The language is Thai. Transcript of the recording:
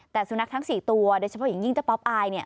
แต่สุนัขทั้ง๔ตัวโดยเฉพาะอย่างยิ่งเจ้าป๊อปอาย